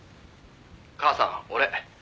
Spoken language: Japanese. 「母さん俺」